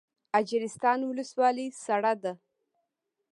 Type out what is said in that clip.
اجرستان ولسوالۍ سړه ده؟